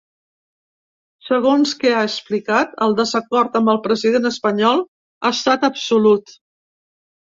Segons que ha explicat, el desacord amb el president espanyol ha estat absolut.